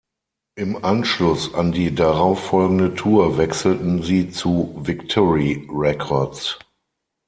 Im Anschluss an die darauffolgende Tour wechselten sie zu Victory Records.